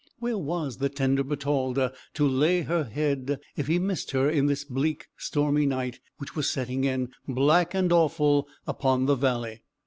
Where was the tender Bertalda to lay her head, if he missed her in this bleak, stormy night, which was setting in, black and awful, upon the valley?